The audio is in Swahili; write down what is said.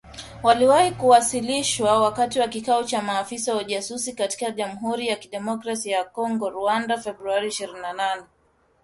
waliwahi kuwasilishwa wakati wa kikao cha maafisa wa ujasusi kati ya Jamuhuri ya Demokrasia ya Kongo na Rwanda Februari ishirini na nane